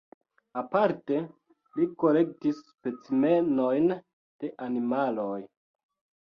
Aparte li kolektis specimenojn de animaloj.